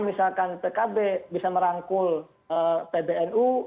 misalkan pkb bisa merangkul pbnu